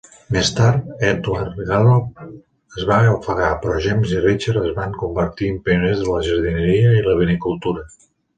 Més tard, Edward Gallop es va ofegar, però James i Richard es van convertir en pioners de la jardineria i la vinicultura.